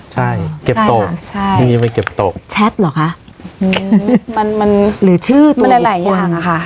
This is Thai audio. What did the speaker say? ใช่เก็บตกใช่มีไปเก็บตกแชทเหรอคะมันมันหรือชื่อมันหลายหลายอย่างอะค่ะ